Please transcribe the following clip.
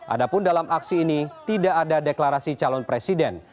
adapun dalam aksi ini tidak ada deklarasi calon presiden